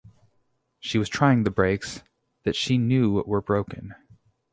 She was trying the brakes, that she knew were broken.